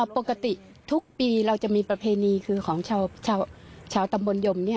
ปกติทุกปีเราจะมีประเพณีคือของชาวตำบลยม